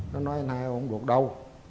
nó nói anh hai không được đâu